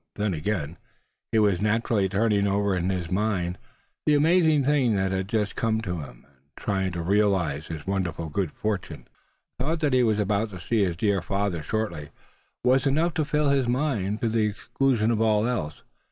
Then again, he was naturally turning over in his mind the amazing thing that had just come to him, and trying to realize his wonderful good fortune. The thought that he was about to see his dear father shortly was enough to fill his mind, to the exclusion of all else.